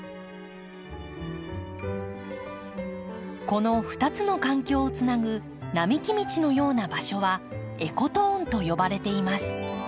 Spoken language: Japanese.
この２つの環境をつなぐ並木道のような場所はエコトーンと呼ばれています。